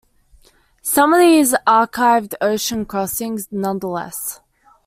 Some of these achieved ocean crossings, nonetheless.